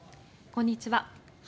こんにちは。